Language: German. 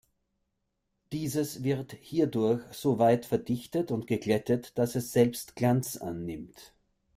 Dieses wird hierdurch so weit verdichtet und geglättet, dass es selbst Glanz annimmt.